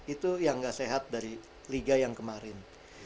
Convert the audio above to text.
itu yang gak sehat dari liga yang kemarin